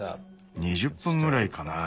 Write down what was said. ２０分ぐらいかな。